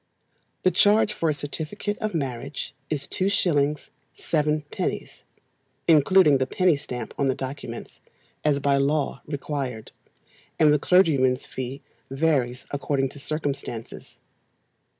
The charge for a certificate of marriage is 2s. 7d., including the penny stamp on the documents, as by law required, and the clergyman's fee varies according to circumstances.